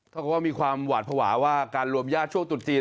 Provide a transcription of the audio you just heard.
เขาก็มีความหวาดผวาว่าการรวมญาติช่วงตุ๊กจีน